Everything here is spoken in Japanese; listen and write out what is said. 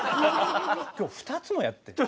今日２つもやって。